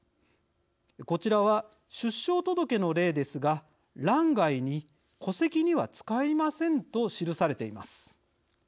こちらは出生届の例ですが欄外に戸籍には使いませんと記されています。